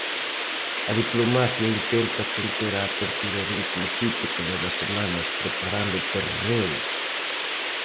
A diplomacia intenta conter a apertura dun conflito que leva semanas preparando o terreo.